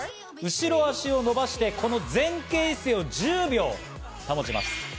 後ろ足を伸ばして、この前傾姿勢を１０秒保ちます。